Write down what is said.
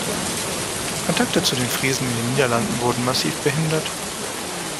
Kontakte zu den Friesen in den Niederlanden wurden massiv behindert.